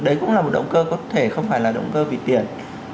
đấy cũng là một động cơ có thể không phải là động cơ vị tiền